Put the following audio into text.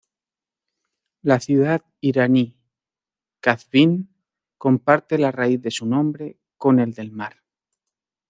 La ciudad iraní Qazvín comparte la raíz de su nombre con el del mar.